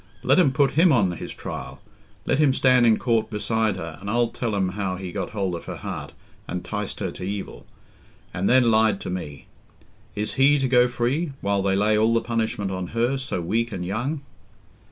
Let 'em put him on his trial—let him stand in court beside her, and I'll tell 'em how he got hold of her heart, and 'ticed her t' evil, and then lied to me. Is he to go free, while they lay all the punishment on her... so weak and young?"